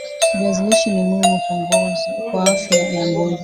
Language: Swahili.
viazi lishe ni muhimu kwa afya ya ngozi